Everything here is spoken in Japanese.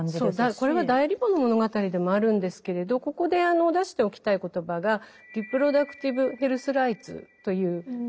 これは代理母の物語でもあるんですけれどここで出しておきたい言葉が「リプロダクティブ・ヘルス／ライツ」という言葉です。